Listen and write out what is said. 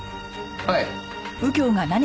はい。